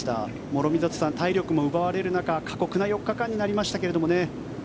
諸見里さん、体力も奪われる中過酷な４日間になりましたけどね。